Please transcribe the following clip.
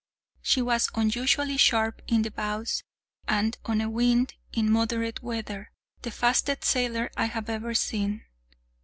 She was unusually sharp in the bows, and on a wind, in moderate weather, the fastest sailer I have ever seen.